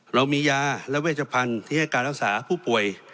เรามียาและเวชพันธุ์ที่ให้การรักษาผู้ป่วย